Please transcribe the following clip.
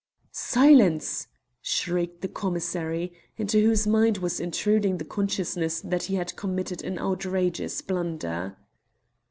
"Silence!" shrieked the commissary, into whose mind was intruding the consciousness that he had committed an outrageous blunder.